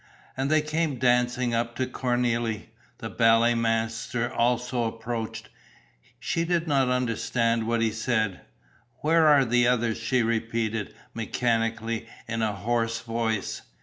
And they came dancing up to Cornélie. The ballet master also approached. She did not understand what he said: "Where are the others?" she repeated, mechanically, in a hoarse voice.